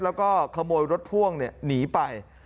แล้วก็ขโมยรถพ่วงหนีไป